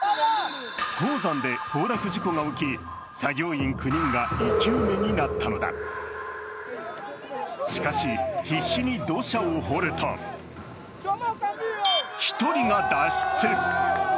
鉱山で崩落事故が起き作業員９人が生き埋めになったのだしかし、必死に土砂を掘ると１人が脱出。